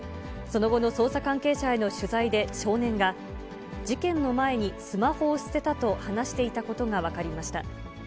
その後の捜査関係者への取材で少年が、事件の前にスマホを捨てたと話していたことが分かりました。